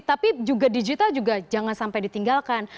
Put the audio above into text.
tapi juga digital juga jangan sampai ditinggalkan